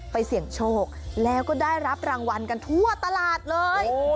เสี่ยงโชคแล้วก็ได้รับรางวัลกันทั่วตลาดเลย